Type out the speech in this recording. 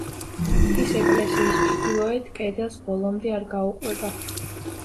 ის ეკლესიის ჩრდილოეთ კედელს ბოლომდე არ გაუყვება.